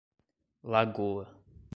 Lagoa